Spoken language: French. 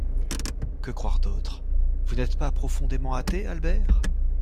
Que croire d’autre? Vous n’êtes pas profondément athée, Albert ?